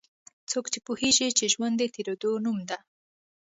څوک پوهیږي چې ژوند د تیریدو نوم ده